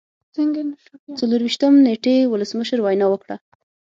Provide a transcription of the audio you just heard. څلور ویشتم نیټې ولسمشر وینا وکړه.